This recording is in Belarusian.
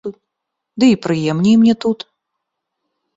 Ды і прыемней мне тут.